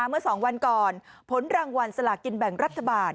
เมื่อ๒วันก่อนผลรางวัลสลากินแบ่งรัฐบาล